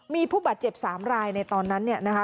มีผู้บาดเจ็บ๓รายในตอนนั้นเนี่ยนะคะ